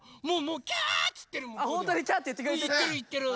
うんいってるいってる！